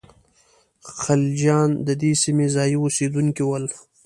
خلجیان د دې سیمې ځايي اوسېدونکي ول.